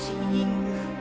semua orang pusing